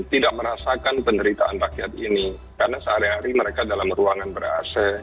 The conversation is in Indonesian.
tidak merasakan penderitaan rakyat ini karena sehari hari mereka dalam ruangan ber ac